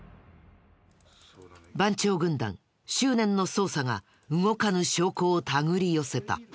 番長軍団執念の捜査が動かぬ証拠をたぐり寄せた。